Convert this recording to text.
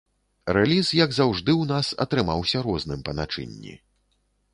Рэліз, як заўжды ў нас, атрымаўся розным па начынні.